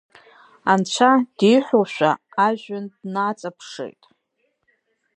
Анцәа диҳәошәа ажәҩан днаҵаԥшит.